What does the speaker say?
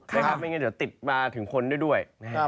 ไม่งั้นจะติดมาถึงคนด้วย